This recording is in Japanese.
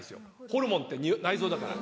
ホルモンって内臓だから。